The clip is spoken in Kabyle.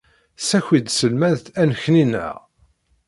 Tessaki-d tselmadt annekni-nneɣ.